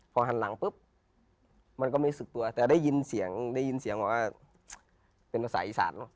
พอหันหลังปุ๊บมันก็ไม่สุดตัวแต่ได้ยินเสียงได้ยินเสียงบอกว่าเป็นภาษาอีสาน